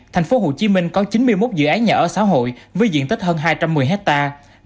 tp hcm có chín mươi một dự án nhà ở xã hội với diện tích hơn hai trăm một mươi hectare